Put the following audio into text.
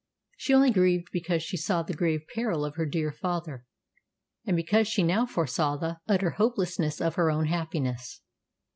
She only grieved because she saw the grave peril of her dear father, and because she now foresaw the utter hopelessness of her own happiness.